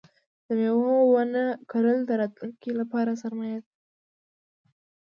د مېوو ونه کرل د راتلونکي لپاره سرمایه ده.